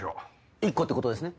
１個ってことですね？